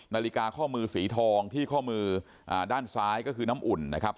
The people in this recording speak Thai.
นาฬิกาข้อมือสีทองที่ข้อมือด้านซ้ายก็คือน้ำอุ่นนะครับ